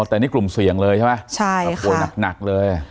อ๋อแต่นี่กลุ่มเสี่ยงเลยใช่ไหมใช่ค่ะโปรดหนักหนักเลย